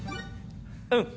うん。